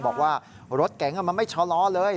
บอกว่ารถเก๋งมันไม่ชะลอเลย